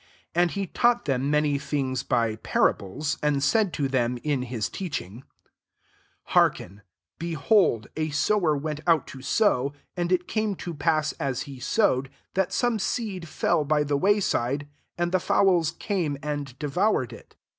2 And he taught them many things by parables, and said to them, in his teaching, 3 " Hearken : Behold, a sower went out* to sow: 4 and it came to pass as he sowed, that some 9eed fell by the yi^cj'Bide, and the fowls came and devoured it.